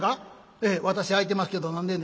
「ええ私空いてますけど何でんねん」。